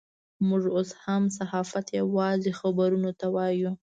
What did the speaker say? موږ اوس هم صحافت یوازې خبرونو ته وایو.